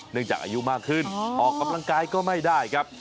จากอายุมากขึ้นออกกำลังกายก็ไม่ได้ครับ